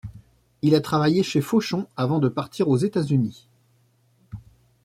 Il a travaillé chez Fauchon avant de partir aux États-Unis.